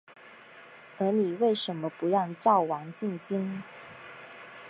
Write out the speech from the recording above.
而你为甚么不让赵王进京？